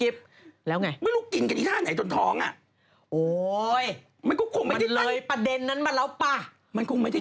บี้เนี่ย๒๕กรุ๊ปกริ๊ปเนี่ย๒๗พี่